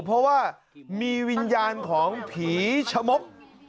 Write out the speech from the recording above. เพราะว่ามีวิญญาณของผีชะมก